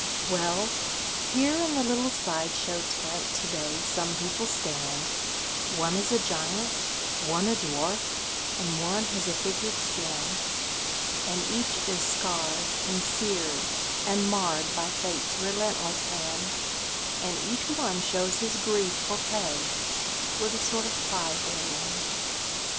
Well here in the little side show tent to day some people stand, One is a giant, one a dwarf, and one has a figured skin, And each is scarred and seared and marred by Fate's relentless hand, And each one shows his grief for pay, with a sort of pride therein.